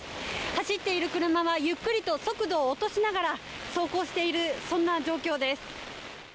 走っている車はゆっくりと速度を落としながら走行している、そんな状況です。